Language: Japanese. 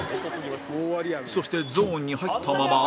そしてゾーンに入ったまま